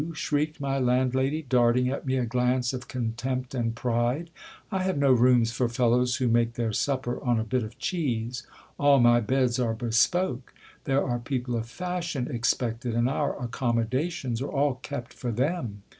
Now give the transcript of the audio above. shrieked my landlady, darting at me a glance of contempt and pride ; I have no rooms for fellows who make their supper on a bit of cheese. All my beds are bespoke. There are people of fashion expected, and our accommodations are all kept for them. DONNA MENCIA'S RECEPTION' OP HIM.